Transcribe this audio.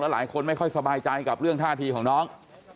หลายคนไม่ค่อยสบายใจกับเรื่องท่าทีของน้อง